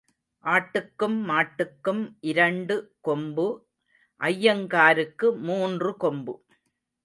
ஆட்டுக்கும் மாட்டுக்கும் இரண்டு கொம்பு ஐயங்காருக்கு மூன்று கொம்பு.